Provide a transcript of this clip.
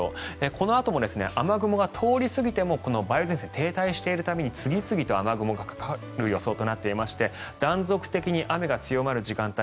このあとも雨雲が通り過ぎても梅雨前線は停滞しているために次々と雨雲がかかる予想となっていまして断続的に雨が強まる時間帯